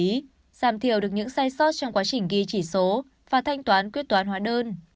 giảm thiểu được những sai sót trong quá trình ghi chỉ số và thanh toán quyết toán hóa đơn